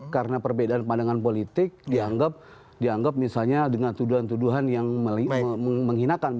karena perbedaan pandangan politik dianggap misalnya dengan tuduhan tuduhan yang menghinakan